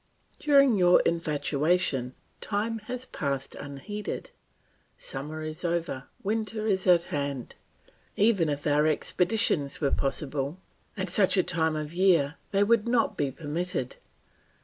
"During your infatuation time has passed unheeded. Summer is over, winter is at hand. Even if our expeditions were possible, at such a time of year they would not be permitted.